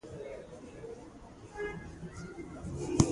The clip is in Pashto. پانګونه د اوږدمهال فکر غوښتنه کوي.